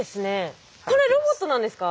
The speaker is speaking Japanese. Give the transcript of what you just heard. これロボットなんですか？